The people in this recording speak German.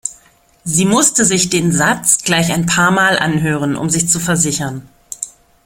Sie musste sich den Satz gleich ein paarmal anhören um sich zu versichern.